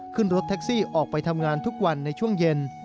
ขึ้นรถแท็กซี่ออกไปทำงานทุกวันในช่วงเย็น